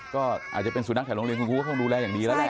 ก็อาจจะเป็นสุนัขแถวโรงเรียนคุณครูก็คงดูแลอย่างดีแล้วแหละ